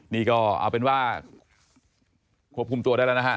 นี่ก็เอาเป็นว่าควบคุมตัวได้แล้วนะฮะ